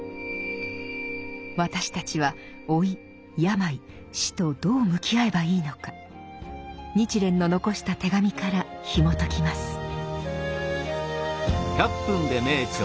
私たちは老い病死とどう向き合えばいいのか日蓮の残した手紙からひもときます。